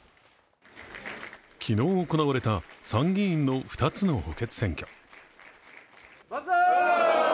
昨日行われた参議院の２つの補欠選挙。